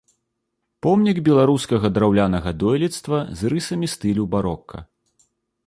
Помнік беларускага драўлянага дойлідства з рысамі стылю барока.